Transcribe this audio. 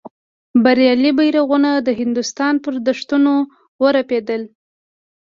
بریالي بیرغونه د هندوستان پر دښتونو ورپېدل.